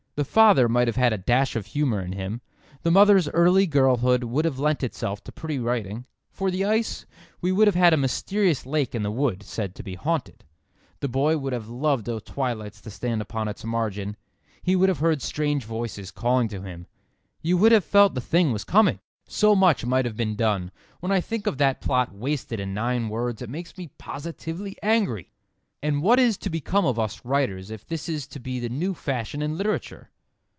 The father might have had a dash of humour in him, the mother's early girlhood would have lent itself to pretty writing. For the ice we would have had a mysterious lake in the wood, said to be haunted. The boy would have loved o' twilights to stand upon its margin. He would have heard strange voices calling to him. You would have felt the thing was coming. So much might have been done. When I think of that plot wasted in nine words it makes me positively angry. And what is to become of us writers if this is to be the new fashion in literature?